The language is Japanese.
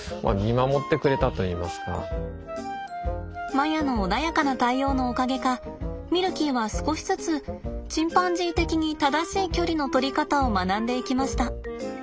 マヤの穏やかな対応のおかげかミルキーは少しずつチンパンジー的に正しい距離の取り方を学んでいきました。